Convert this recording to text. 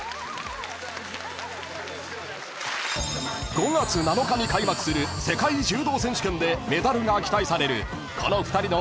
［５月７日に開幕する世界柔道選手権でメダルが期待されるこの２人の］